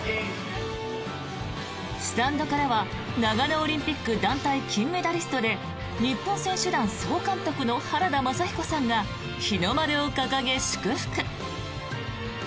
スタンドからは長野オリンピック団体金メダリストで日本選手団総監督の原田雅彦さんが日の丸を掲げ祝福。